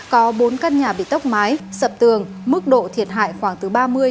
có bốn căn nhà bị tốc mái sập tường mức độ thiệt hại khoảng từ ba mươi sáu mươi